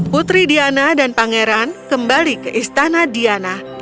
putri diana dan pangeran kembali ke istana diana